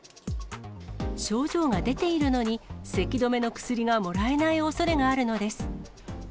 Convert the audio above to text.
症状が出ているのに、せき止めの薬がもらえないおそれがあるのです。